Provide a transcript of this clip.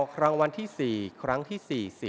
รางวัลที่๔ครั้งที่๔๐